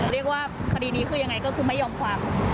เรียกว่าคดีนี้คือยังไงก็คือไม่ยอมความ